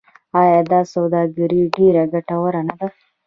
آیا دا سوداګري ډیره ګټوره نه ده؟